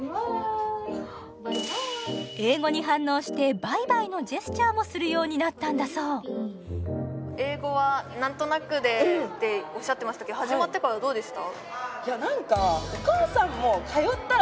英語に反応してバイバイのジェスチャーもするようになったんだそう英語はなんとなくでっておっしゃってましたけど始まってからどうでした？